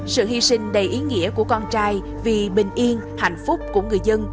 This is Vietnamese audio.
sự hy sinh đầy ý nghĩa của con trai vì bình yên hạnh phúc của người dân